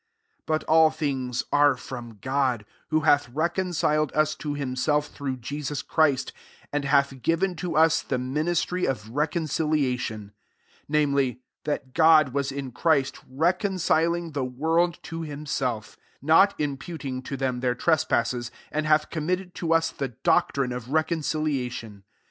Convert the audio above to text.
18 But all things are from jrod ; who hath reconciled us cr himself through [Jesus'] i^hrist, and hath given to us he ministry of reconciliation : 9 namely, that God was in i^hrist reconciling the world to limself, not imputing to them heir trespasses^ and hath com nitted to us the doctrine of econciliation.